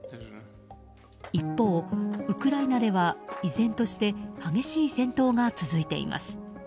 一方、ウクライナでは依然として激しい戦闘が続いています。